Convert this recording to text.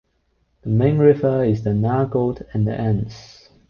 The main river is the Nagold and the Enz.